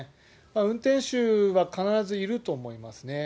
運転手は必ずいると思いますね。